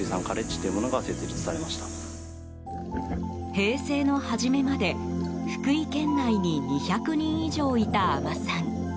平成の初めまで、福井県内に２００人以上いた海女さん。